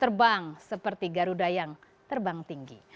terbang seperti garuda yang terbang tinggi